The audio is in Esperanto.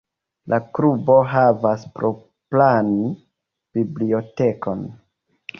La klubo havas propran bibliotekon.